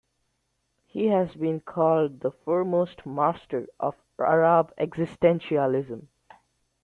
He has been called the foremost master of Arab existentialism.